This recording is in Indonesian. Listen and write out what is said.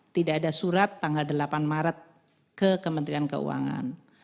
tidak ada surat tanggal delapan maret ke kementerian keuangan